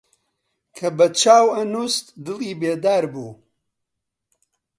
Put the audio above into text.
کە بە چاو ئەنووست دڵی بێدار بوو